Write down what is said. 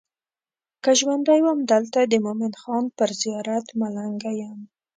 که ژوندی وم دلته د مومن خان پر زیارت ملنګه یم.